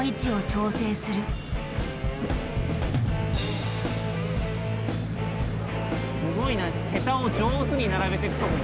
すごいな。